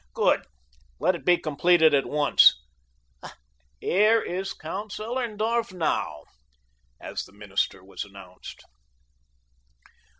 "Good! Let it be completed at once. Here is Count Zellerndorf now," as the minister was announced.